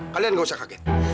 kalian gak usah kaget